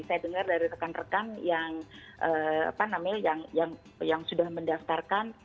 saya dengar dari rekan rekan yang sudah mendaftarkan